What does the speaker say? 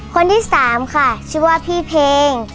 คนที่สามค่ะชื่อว่าพี่เพลง